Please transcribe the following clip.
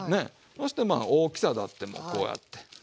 そして大きさであってもこうやって。